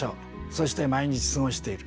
そして毎日過ごしている。